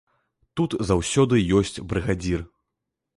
Тут заўсёды ёсць брыгадзір.